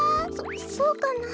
そそうかな？